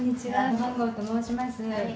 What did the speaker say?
本郷と申します。